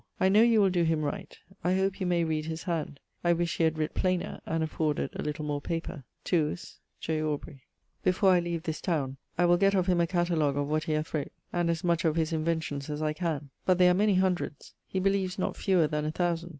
I know you will doe him right. I hope you may read his hand. I wish he had writt plainer, and afforded a little more paper. Tuus, J. AUBREY. Before I leave this towne, I will gett of him a catalogue of what he hath wrote; and as much of his inventions as I can. But they are many hundreds; he believes not fewer than a thousand.